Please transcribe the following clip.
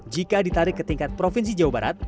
jika ditarik ke tingkat provinsi jawa barat